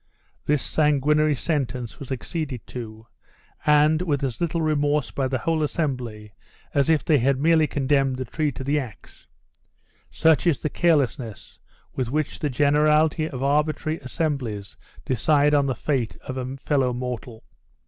This sanguinary sentence was acceded to, and with as little remorse by the whole assembly as if they had merely condemned a tree to the ax. Such is the carelessness with which the generality of arbitrary assemblies decide on the fate of a fellow mortal!